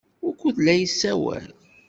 Wukud ay la yessawal?